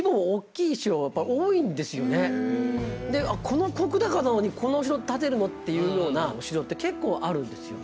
この石高なのにこのお城建てるのっていうようなお城って結構あるんですよ。